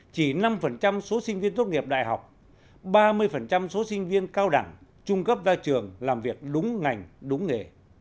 chỉ năm số sinh viên tốt nghiệp đại học ba mươi số sinh viên cao đẳng trung cấp ra trường làm việc đúng ngành đúng nghề